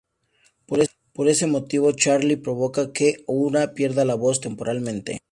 Por ese motivo Charlie provoca que Uhura pierda la voz temporalmente.